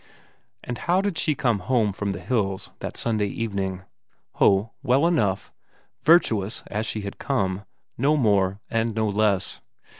And how did she come home from the hills that Sunday evening? Ho, well enough, virtuous as she had come, no more and no less.